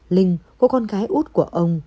linh có con gái út của ông